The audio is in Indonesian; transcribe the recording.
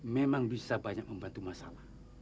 memang bisa banyak membantu masalah